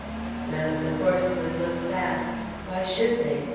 None of the horsemen look back. Why should they?